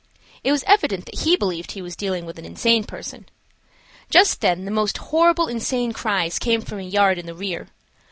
It was evident that he believed he was dealing with an insane person. Just then the most horrible insane cries came from a yard in the rear.